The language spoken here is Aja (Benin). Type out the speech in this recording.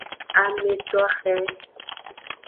Ame toxe.